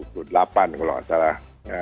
tujuh puluh delapan kalau nggak salah